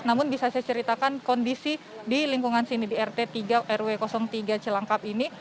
namun bisa saya ceritakan kondisi di lingkungan sini di rt tiga rw tiga celangkap ini